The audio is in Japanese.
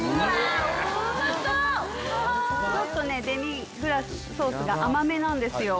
デミグラスソースが甘めなんですよ。